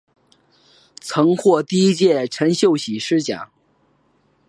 曾获第一届陈秀喜诗奖。